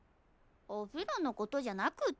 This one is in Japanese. お風呂のことじゃなくっ